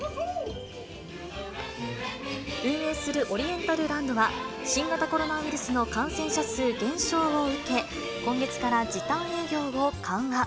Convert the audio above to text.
運営するオリエンタルランドは、新型コロナウイルスの感染者数減少を受け、今月から時短営業を緩和。